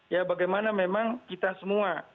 ya bagaimana memang kita semua